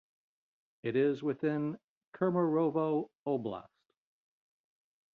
It is within Kemerovo Oblast.